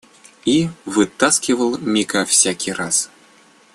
И вытаскивал Мика всякий раз.